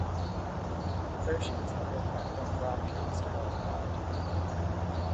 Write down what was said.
Versions of it have been broadcast worldwide.